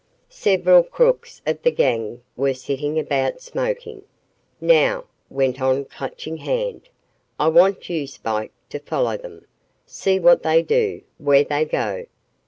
Several crooks of the gang were sitting about, smoking. "Now," went on Clutching Hand, "I want you, Spike, to follow them. See what they do where they go.